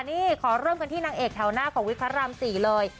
นี่ขอเริ่มกันที่นางเอกแถวหน้าของวิกพระราม๔เลย